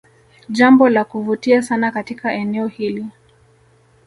Jambo la kuvutia sana katika eneo hili